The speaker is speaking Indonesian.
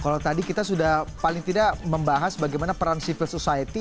kalau tadi kita sudah paling tidak membahas bagaimana peran civil society